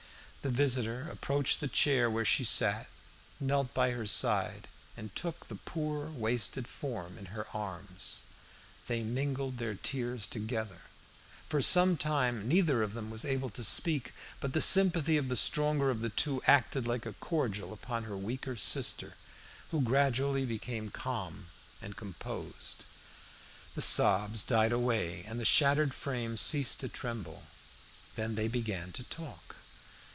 The visitor approached the chair where she sat, knelt by her side, and took the poor wasted form in her arms. They mingled their tears together. For some time neither of them was able to speak a word, but the sympathy of the stronger of the two acted like a cordial upon her weaker sister, who gradually became calm and composed. The sobs died away, and the shattered frame ceased to tremble. Then they began to talk.